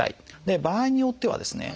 場合によってはですね